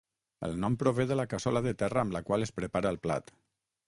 El nom prové de la cassola de terra amb la qual es prepara el plat.